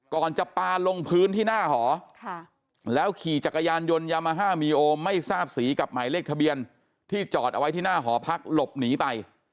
ก่อนจะปลาลงพื้นที่หน้าหอแล้วขี่จักรยานยนต์ยามาฮ่ามีโอไม่ทราบสีกับหมายเลขทะเบียนที่จอดเอาไว้ที่หน้าหอพักหลบหนีไป